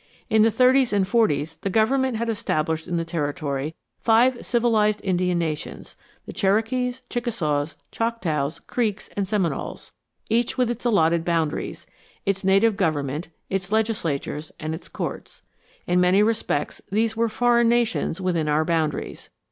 In the thirties and forties the government had established in the territory the five civilized Indian nations, the Cherokees, Chickasaws, Choctaws, Creeks, and Seminoles, each with its allotted boundaries, its native government, its legislatures, and its courts. In many respects these were foreign nations within our boundaries.